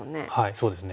そうですね。